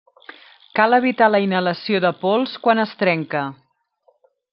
Cal evitar la inhalació de pols quan es trenca.